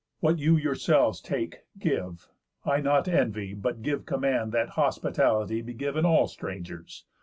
What you yourselves take, give; I not envy, But give command that hospitality Be giv'n all strangers.